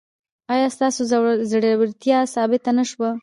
ایا ستاسو زړورتیا ثابته نه شوه؟